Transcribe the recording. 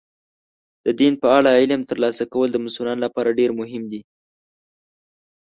د دین په اړه علم ترلاسه کول د مسلمان لپاره ډېر مهم دي.